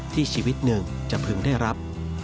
ชีวิตหนึ่งจะพึงได้รับ